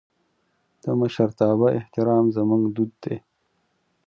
د مشرتابه احترام زموږ دود دی.